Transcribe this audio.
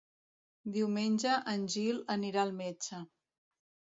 Diumenge en Gil anirà al metge.